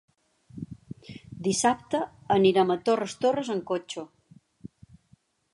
Dissabte anirem a Torres Torres amb cotxe.